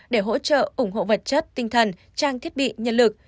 để hỗ trợ ủng hộ vật chất tinh thần trang thiết bị nhân lực